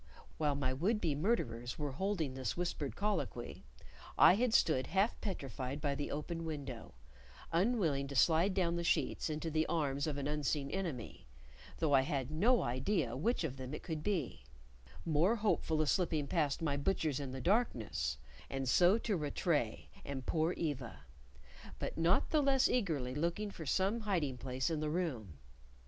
While my would be murderers were holding this whispered colloquy, I had stood half petrified by the open window; unwilling to slide down the sheets into the arms of an unseen enemy, though I had no idea which of them it could be; more hopeful of slipping past my butchers in the darkness, and so to Rattray and poor Eva; but not the less eagerly looking for some hiding place in the room.